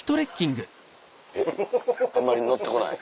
えっあんまりノッて来ない？